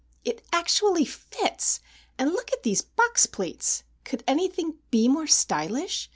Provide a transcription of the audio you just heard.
"It actually fits, and look at these box pleats! Could anything be more stylish!